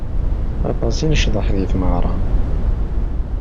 Aṭas i necḍeḥ di tmeɣra.